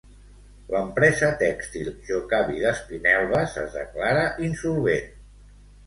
L'empresa tèxtil Jocavi d'Espinelves es declara insolvent.